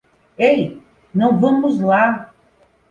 Ei, não vamos lá!